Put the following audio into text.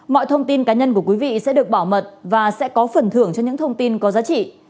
mọi thông tin cá nhân của quý vị sẽ được bảo mật và sẽ có phần thưởng cho những thông tin có giá trị